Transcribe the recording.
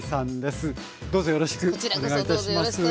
こちらこそよろしくお願いいたします。